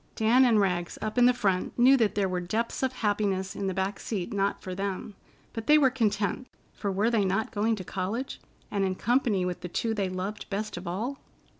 Dan and Rags, up in front, knew that there were depths of happiness in the back seat not for them, but they were content, for were they not going to college, and in company with the two they loved best of all?